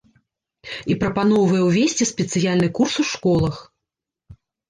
І прапаноўвае ўвесці спецыяльны курс у школах.